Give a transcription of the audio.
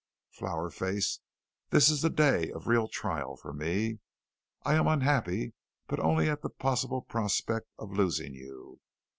"Flower Face, this is the day of real trial for me. I am unhappy, but only at the possible prospect of losing you.